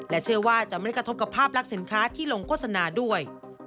เชื่อว่าจะไม่ได้กระทบกับภาพลักษณ์สินค้าที่ลงโฆษณาด้วย